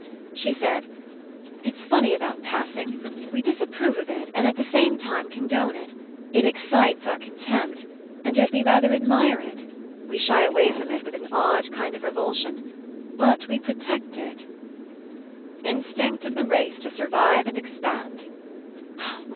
She said: "It's funny about ^passing.' We disapprove of it and at the same time con done It. It excites our contempt and yet we 97 PASSING rather admire It. We shy away from it with an odd kind of revulsion, but we protect it." "Instinct of the race to survive and ex pand."